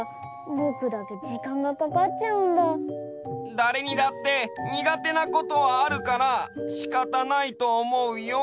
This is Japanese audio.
だれにだって苦手なことはあるからしかたないとおもうよ。